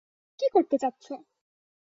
কি করতে চাচ্ছো?